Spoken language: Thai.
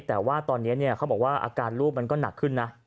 แต่ว่าตอนนี้เขาบอกว่าอาการลูกมันก็หนักขึ้นนะ